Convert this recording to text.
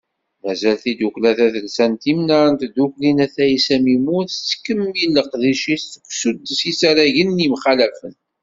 Mazal tidukkla tadelsant Imnar n Tdukli n At Ɛisa Mimun, tettkemmil leqdic-is deg usuddes n yisaragen yemxalafen.